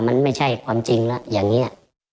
มันไม่ใช่ความจริงแล้วอย่างนี้